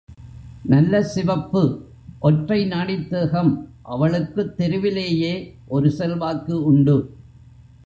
நல்ல சிவப்பு ஒற்றை நாடித் தேகம் அவளுக்குத் தெருவிலேயே ஒரு செல்வாக்கு உண்டு.